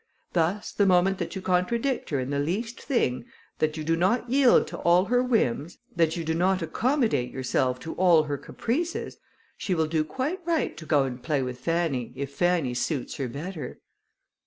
Thus, the moment that you contradict her in the least thing, that you do not yield to all her whims, that you do not accommodate yourself to all her caprices, she will do quite right to go and play with Fanny if Fanny suits her better."